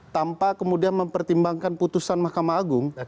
tanpa kemudian mempertimbangkan putusan mahkamah agung